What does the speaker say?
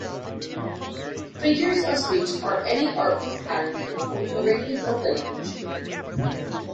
Figures of speech are any artful patterning or arrangement of language.